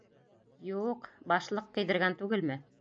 Ю-юҡ, башлыҡ кейҙергән түгелме?